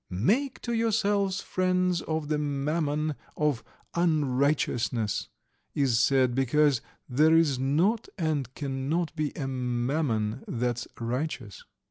'Make to yourselves friends of the mammon of unrighteousness' is said, because there is not and cannot be a mammon that's righteous."